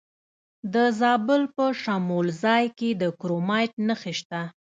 د زابل په شمولزای کې د کرومایټ نښې شته.